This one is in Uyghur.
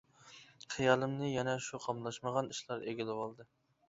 خىيالىمنى يەنە شۇ قاملاشمىغان ئىشلار ئىگىلىۋالدى.